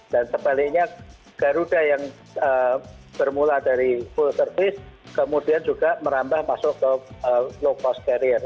dan sebaliknya garuda yang bermula dari full service kemudian juga merambah masuk ke low cost carrier